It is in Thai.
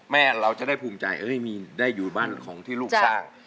แม่เราจะได้ภูมิใจได้อยู่บ้านของที่ลูกสร้าง